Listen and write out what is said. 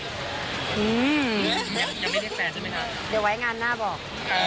หือยังไม่ได้แฟนใช่ไหมครับ